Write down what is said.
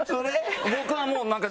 僕はもうなんか。